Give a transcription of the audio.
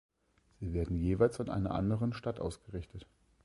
Sie werden jeweils von einer anderen Stadt ausgerichtet.